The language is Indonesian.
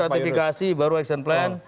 taken ratifikasi baru action plan